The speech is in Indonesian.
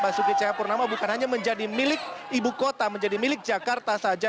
basuki cahayapurnama bukan hanya menjadi milik ibu kota menjadi milik jakarta saja